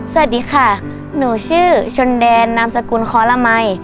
สวัสดีค่ะหนูชื่อชนแดนนามสกุลคอลมัย